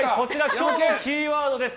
今日のキーワードです。